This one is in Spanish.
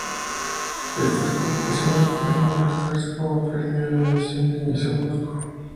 Estas complicaciones pueden manifestarse como perdida de visión de inicio brusco.